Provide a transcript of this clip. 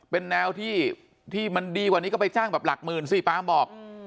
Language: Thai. เป็นแนวที่มันดีกว่านี้ก็ไปจ้างแบบหลักหมื่นสิปามบอก